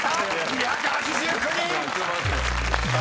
２８９人！］